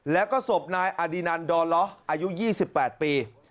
แล้วก็ศพนายอดินันดอล้ออายุ๒๘ปี